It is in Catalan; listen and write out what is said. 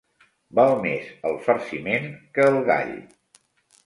Val més el farciment que el gall.